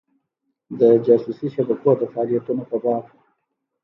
د جاسوسي شبکو د فعالیتونو په باب.